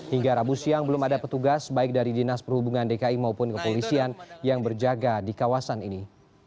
hingga rabu siang belum ada petugas baik dari dinas perhubungan dki maupun kepolisian yang berjaga di kawasan ini